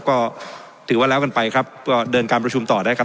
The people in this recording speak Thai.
ก็ถือว่าแล้วกันไปครับก็เดินการประชุมต่อได้ครับ